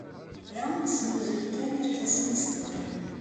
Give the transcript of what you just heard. Da nesnuzuy kan irkasen n tsednan.